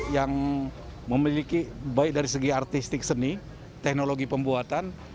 yang memiliki baik dari segi artistik seni teknologi pembuatan